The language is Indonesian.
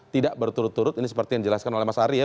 tidak berturut turut ini seperti yang dijelaskan oleh mas ari ya